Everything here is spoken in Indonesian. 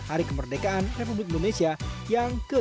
hari kemerdekaan republik indonesia yang ke tujuh puluh